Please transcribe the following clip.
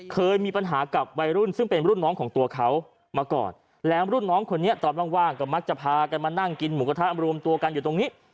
เคยมีปัญหากับวัยรุ่นซึ่งเป็นรุ่นน้องของตัวเขามาก่อนแล้วรุ่นน้องคนนี้ตอนว่างก็มักจะพากันมานั่งกินหมูกระทะรวมตัวกันอยู่ตรงนี้